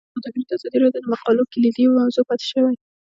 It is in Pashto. سوداګري د ازادي راډیو د مقالو کلیدي موضوع پاتې شوی.